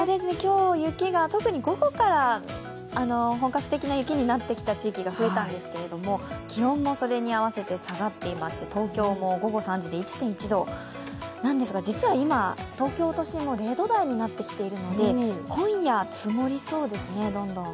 今日、特に午後から本格的な雪になってきた地域が増えたんですけれども、気温もそれに合わせて下がってまして東京も午後３時で１．１度なんですが、実は今、東京都心も０度台になってきているので今夜、どんどん積もりそうですね。